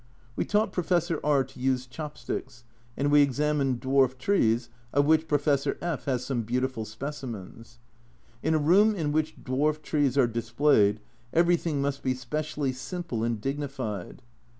We taught Professor R to use chop sticks, and we examined dwarf trees, of which Professor F has some beautiful specimens. In a room in which dwarf trees are displayed everything must be specially simple and dignified.